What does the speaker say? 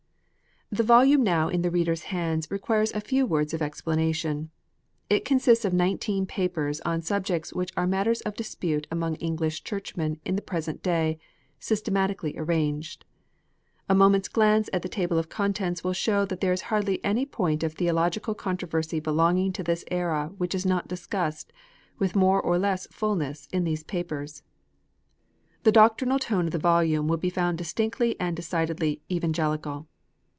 THE volume now in the reader s hands requires a few words of explanation. It consists of nineteen papers on subjects which are matters of dispute among English Churchmen in the present day, systematically arranged. A moment s glance at the table of contents will show that there is hardly any point of theo logical controversy belonging to this era, which is not discussed, with more or less fulness, in these papers. The doctrinal tone of the volume will be found distinctly and decidedly " Evangelical."